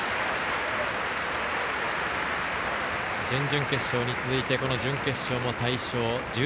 準々決勝に続いてこの準決勝も大勝。